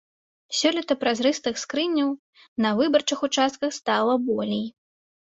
Сёлета празрыстых скрыняў на выбарчых участках стала болей.